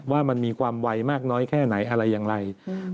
ว่ามันมีความไวมากน้อยแค่ไหนอะไรอย่างไร